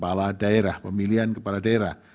atau termasuk pemilihan kepala daerah